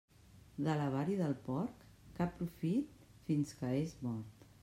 De l'avar i del porc, cap profit fins que és mort.